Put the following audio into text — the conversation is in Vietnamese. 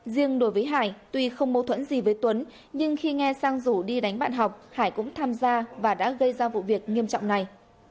riêng đối với hải tuy không mâu thuẫn gì với tuấn nhưng khi nghe sang rủ đi đánh bạn học hải cũng tham gia và đã gây ra vụ việc nghiêm trọng này